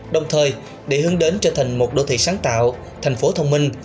đồng thời để hướng đến trở thành một đô thị sáng tạo thành phố thông minh